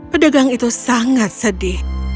pedagang itu sangat sedih